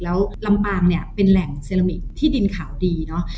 แล้วลำปางเป็นแหล่งเซรามิกที่ดินขาวดี